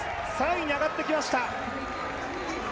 ３位に上がってきました。